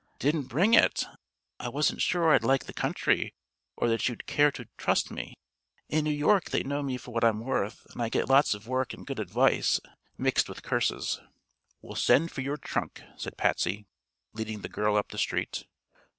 "Didn't bring it. I wasn't sure I'd like the country, or that you'd care to trust me. In New York they know me for what I'm worth, and I get lots of work and good advice mixed with curses." "We'll send for your trunk," said Patsy, leading the girl up the street.